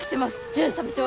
巡査部長。